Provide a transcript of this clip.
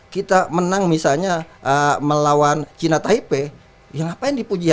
kita menang misalnya melawan china taipei yang ngapain dipuji